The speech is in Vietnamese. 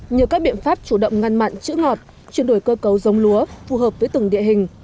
nhờ các biện pháp chủ động ngăn mặn chữ ngọt chuyển đổi cơ cấu giống lúa phù hợp với từng địa hình